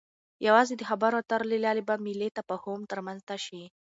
يوازې د خبرو اترو له لارې به ملی تفاهم رامنځته شي.